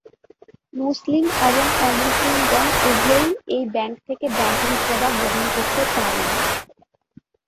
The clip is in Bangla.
মুসলিম এবং অ-মুসলিমগণ উভয়েই এই ব্যাংক থেকে ব্যাংকিং সেবা গ্রহণ করতে পারেন।